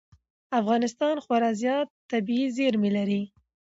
افغانستان خورا زیات طبعي زېرمې لري.